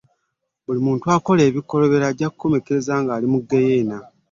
Buli muntu akola ebikolobera ajja kukomekkereza ng'ali mu ggeyeena.